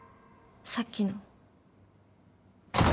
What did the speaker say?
さっきの。